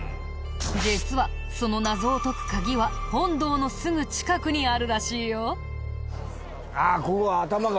実はその謎を解く鍵は本堂のすぐ近くにあるらしいよ。